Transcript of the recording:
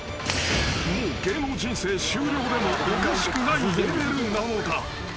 ［もう芸能人生終了でもおかしくないレベルなのだ］